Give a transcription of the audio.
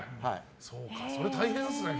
それ、大変ですね。